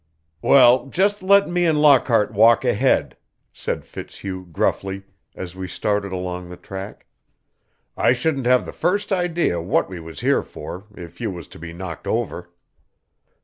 "Well, just let me and Lockhart walk ahead," said Fitzhugh gruffly, as we started along the track. "I shouldn't have the first idea what we was here for if you was to be knocked over."